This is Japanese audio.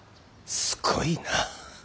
すごいな。